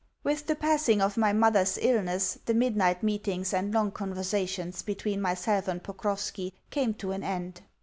With the passing of my mother's illness the midnight meetings and long conversations between myself and Pokrovski came to an end.